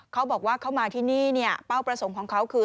เขาบอกว่าเขามาที่นี่เนี่ยเป้าประสงค์ของเขาคือ